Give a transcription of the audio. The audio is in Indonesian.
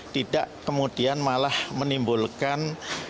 tidak kemudian malah menimbulkan